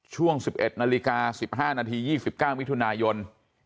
ช่วง๑๑นาฬิกา๑๕นาที๒๙มิถุนายน